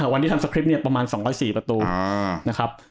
วันที่ทำสคริปต์เนี่ยประมาณ๒๐๔ประตูนะครับ